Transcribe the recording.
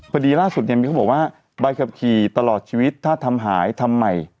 พอดีล่าสุดเนี่ยมีเขาบอกว่าใบขับขี่ตลอดชีวิตถ้าทำหายทำใหม่